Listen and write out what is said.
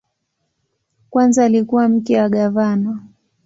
Kwanza alikuwa mke wa gavana.